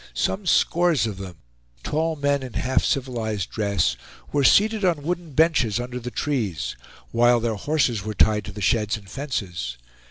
Some scores of them, tall men in half civilized dress, were seated on wooden benches under the trees; while their horses were tied to the sheds and fences.